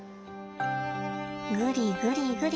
ぐりぐりぐり。